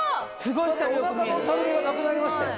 おなかのたるみがなくなりましたよ。